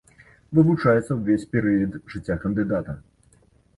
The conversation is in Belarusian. Вывучаецца ўвесь перыяд жыцця кандыдата.